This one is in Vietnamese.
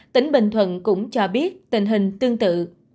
tỉnh bình thuận cũng cho biết tình hình tương tự